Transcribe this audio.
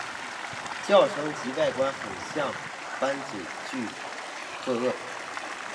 叫声及外观很像斑嘴巨䴙䴘。